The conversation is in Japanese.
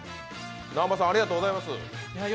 南波さん、ありがとうございます。